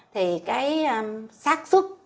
thì cái sát xuất